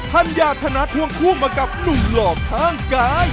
ัญญาธนาทวงคู่มากับหนุ่มหลอกทางกาย